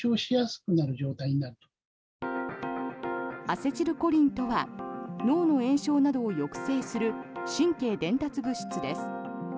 アセチルコリンとは脳の炎症などを抑制する神経伝達物質です。